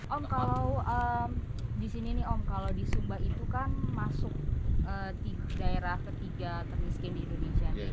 om kalau di sini nih om kalau di sumba itu kan masuk daerah ketiga termiskin di indonesia